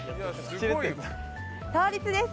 倒立です。